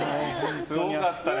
すごかったね。